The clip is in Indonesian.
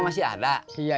masih ada kolaknya